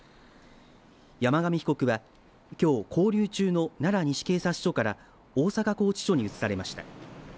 山上被告はきょう勾留中の奈良西警察署から大阪拘置所に移されました。